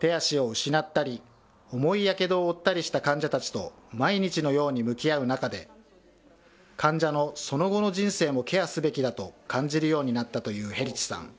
手足を失ったり、重いやけどを負ったりした患者たちと毎日のように向き合う中で、患者のその後の人生もケアすべきだと感じるようになったというヘリチさん。